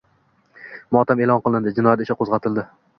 Motam e’lon qilindi, jinoyat ishi qo‘zg‘atildi